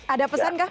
ada pesan kang